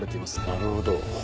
なるほど。